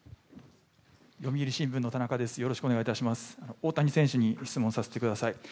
大谷選手に質問させてください。